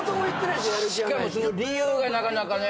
しかもその理由がなかなかね。